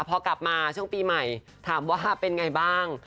พอกลับมาช่วงปีใหม่ถามว่าเป็นไงบ้าง